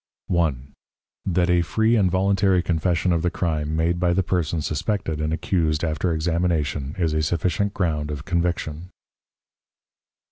1. _That a free and voluntary Confession of the Crime made by the Person suspected and accused after Examination, is a sufficient Ground of Conviction.